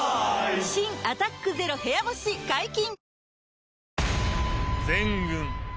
新「アタックＺＥＲＯ部屋干し」解禁‼